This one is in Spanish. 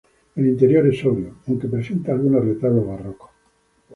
El interior es sobrio, aunque presenta algunos retablos barrocos.